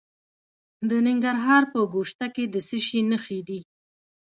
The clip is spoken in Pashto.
د ننګرهار په ګوشته کې د څه شي نښې دي؟